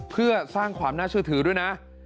เพื่อสร้างความน่าเชื่อถือด้วยนะ